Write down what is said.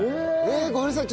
ごめんなさい。